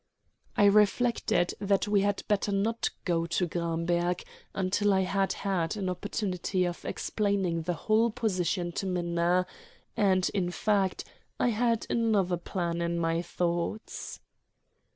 I reflected that we had better not go to Gramberg until I had had an opportunity of explaining the whole position to Minna, and in fact I had another plan in my thoughts.